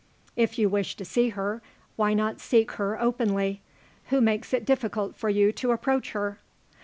"If you wish to see her, why not seek her openly? Who makes it difficult for you to approach her?"